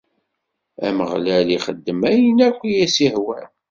Ameɣlal ixeddem ayen akk i as-ihwan.